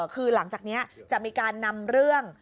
คือหลังจากนี้จะมีการนำเรื่อง